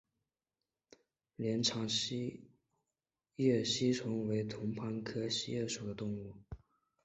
链肠锡叶吸虫为同盘科锡叶属的动物。